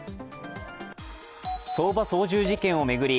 相場操縦事件を巡り